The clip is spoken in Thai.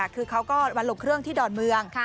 คือเขาก็วันหลงเครื่องที่ดอนเมือง